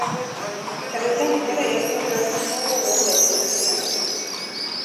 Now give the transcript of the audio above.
Kan du tänka dig, att jag drömt två gånger om dig sedan senast.